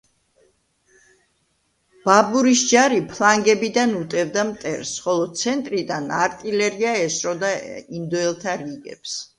ბაბურის ჯარი ფლანგებიდან უტევდა მტერს, ხოლო ცენტრიდან არტილერია ესროდა ინდოელთა რიგებს.